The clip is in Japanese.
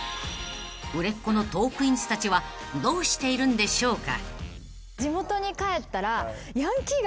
［売れっ子のトークィーンズたちはどうしているんでしょうか？］